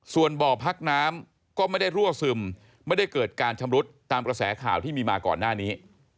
ส่วนบ่อพักน้ำก็ไม่ได้รั่วซึมไม่ได้เกิดการชำรุดตามกระแสข่าวที่มีมาก่อนหน้านี้